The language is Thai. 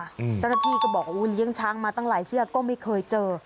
เจ้าหน้าที่ก็บอกว่าเลี้ยงช้างมาตั้งหลายเชือกก็ไม่เคยเจอ